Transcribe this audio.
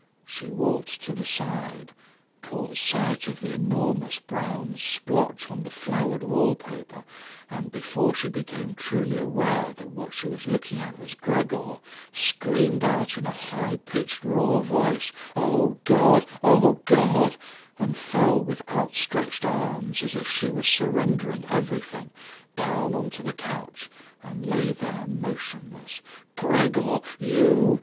She walked to the side, caught sight of the enormous brown splotch on the flowered wallpaper, and, before she became truly aware that what she was looking at was Gregor, screamed out in a high pitched raw voice "Oh God, oh God" and fell with outstretched arms, as if she was surrendering everything, down onto the couch and lay there motionless. "Gregor, you.